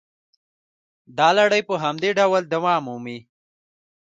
دا لړۍ په همدې ډول دوام مومي